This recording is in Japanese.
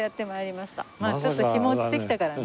まあちょっと日も落ちてきたからね。